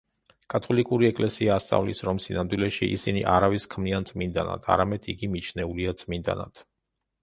კათოლიკური ეკლესია ასწავლის, რომ სინამდვილეში, ისინი არავის ქმნიან წმინდანად, არამედ იგი მიჩნეულია წმინდანად.